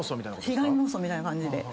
被害妄想みたいな感じで。